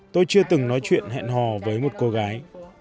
tôi chưa từng nói chuyện hẹn hò với một cô gái